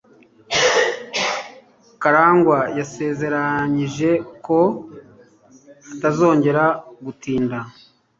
Karangwa yasezeranyije ko atazongera gutinda.